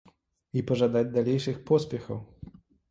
І пажадаць далейшых поспехаў!